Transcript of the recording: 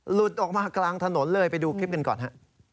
หลุดออกมากลางถนนเลยไปดูคลิปกันก่อนฮะ